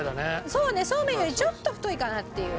そうねそうめんよりちょっと太いかなっていう。